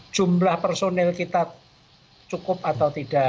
jumlah personil kita cukup atau tidak